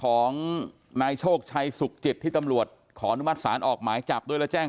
ของนายโชคชัยสุขจิตที่ตำรวจขออนุมัติศาลออกหมายจับด้วยและแจ้ง